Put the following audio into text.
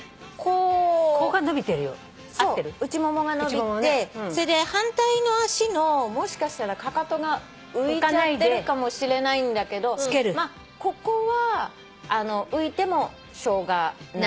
内ももが伸びてそれで反対の足のもしかしたらかかとが浮いちゃってるかもしれないんだけどここは浮いてもしょうがない。